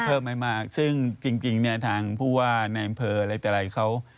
เพิ่มไม่มากซึ่งจริงเนี่ยทางผู้ว่าในอำเภออะไรแต่อะไรเขา